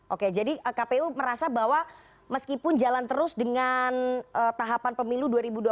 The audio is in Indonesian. oke jadi kpu merasa bahwa meskipun jalan terus dengan tahapan pemilu dua ribu dua puluh